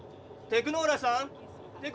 テクノーラさん！